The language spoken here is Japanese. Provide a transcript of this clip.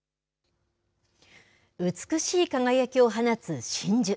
美しい輝きを放つ真珠。